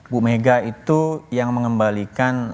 bu mega itu yang mengembalikan